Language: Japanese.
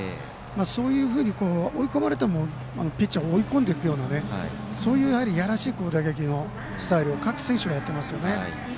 そういうふうに追い込まれてもピッチャー追い込んでいくようなそういう、いやらしい打撃のスタイルを各選手がやっていますね。